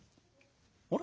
あれ？